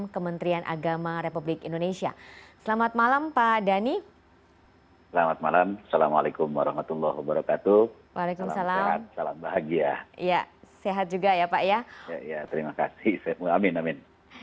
ya terima kasih amin amin